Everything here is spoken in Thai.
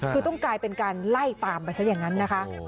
คือต้องกลายเป็นการไล่ตามไปซะอย่างนั้นนะคะ